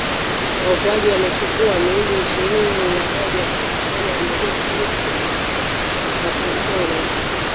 waokoaji wamechukua miili ishirini na moja kutoka Mbale na mingine mitatu kutoka Kapchorwa .